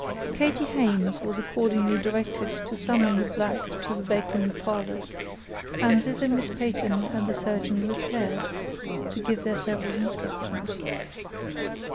Katy Haynes was accordingly directed to summon the black to the vacant parlor, and thither Miss Peyton and the surgeon repaired, to give their several instructions.